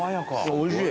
おいしい。